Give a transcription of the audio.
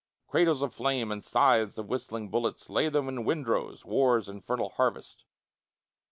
Cradles of flame and scythes of whistling bullets Lay them in windrows, war's infernal harvest.